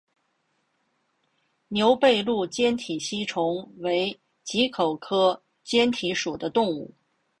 牛背鹭坚体吸虫为棘口科坚体属的动物。